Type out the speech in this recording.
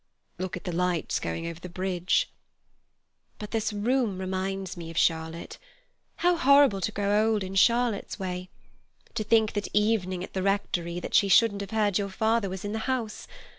"Look at the lights going over the bridge." "But this room reminds me of Charlotte. How horrible to grow old in Charlotte's way! To think that evening at the rectory that she shouldn't have heard your father was in the house.